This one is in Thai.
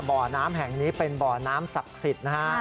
บ่อน้ำแห่งนี้เป็นบ่อน้ำศักดิ์สิทธิ์นะฮะ